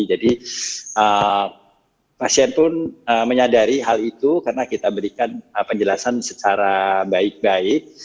jadi pasien pun menyadari hal itu karena kita berikan penjelasan secara baik baik